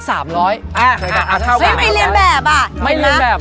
ซึ่งไม่เรียนแบบอะ